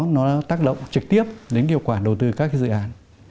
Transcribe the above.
nó tác động trực tiếp đến hiệu quả đầu tư các dự án